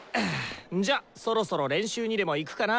んじゃそろそろ練習にでも行くかな！